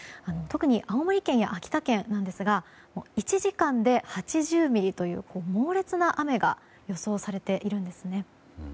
特に青森県や秋田県ですが１時間で８０ミリという猛烈な雨が予想されているんですね。